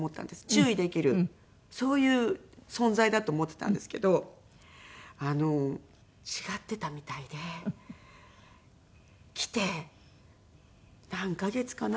注意できるそういう存在だと思っていたんですけど違っていたみたいで。来て何カ月かな。